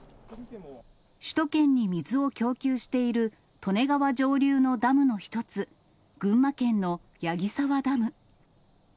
首都圏に水を供給している利根川上流のダムの一つ、群馬県の矢木沢ダム。